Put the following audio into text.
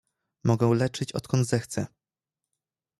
"Mogę leczyć odkąd zechcę!"